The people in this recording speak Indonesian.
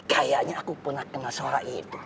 kayaknya aku pernah kenal seorang itu